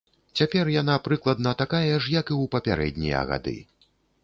Цяпер яна прыкладна такая ж, як і ў папярэднія гады.